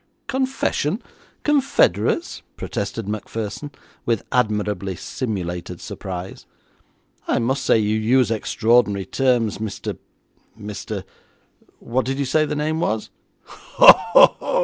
'Confession? Confederates?' protested Macpherson with admirably simulated surprise. 'I must say you use extraordinary terms, Mr Mr What did you say the name was?'